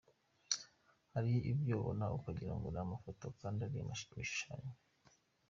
Hari ibyo ubona ukagira ngo ni amafoto kandi ari ibishushanyo.